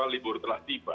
libur telah tiba